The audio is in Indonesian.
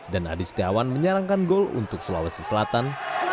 dan adi setiawan menyerangkan gol untuk sulawesi selatan